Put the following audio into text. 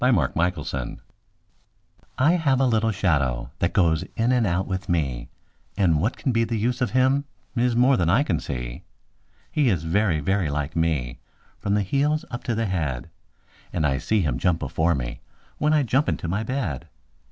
[Pg 20] MY SHADOW I have a little shadow that goes in and out with me, And what can be the use of him is more than I can see. He is very, very like me from the heels up to the head; And I see him jump before me, when I jump into my bed.